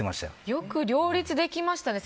よく両立できましたね。